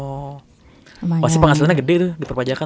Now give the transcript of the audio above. oh pasti penghasilannya gede tuh di perpajakan